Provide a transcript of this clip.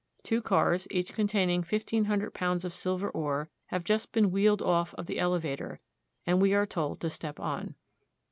Two cars, each containing fifteen hundred pounds of silver ore, have just been wheeled off of the elevator, and we are told to step on.